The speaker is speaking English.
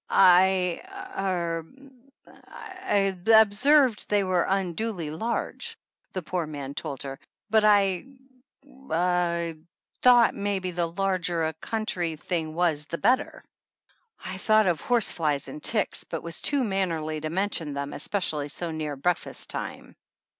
"I er, observed that they were unduly large," the poor man told her, "but I er, thought maybe the larger a country thing was the better !" I thought of horse flies and ticks, but was too mannerly to mention them, especially so near breakfast time.